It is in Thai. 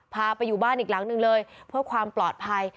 พาไปอยู่บ้านอีกหลังหนึ่งเลยเพื่อความปลอดภัย